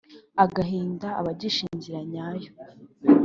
agahinda abagisha inzira nyayo